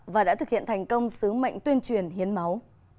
và đã thực hiện thành công sứ mệnh tuyên truyền hiến máu